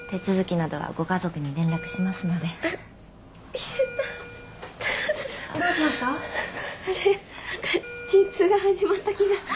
なんか陣痛が始まった気が。